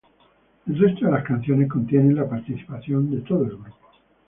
El resto de las canciones contienen la participación de todo el grupo.